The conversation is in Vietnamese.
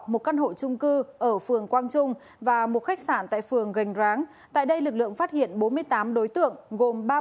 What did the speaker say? một căn hộ trung cư ở phường quang trung và một khách sạn tại phường gành ráng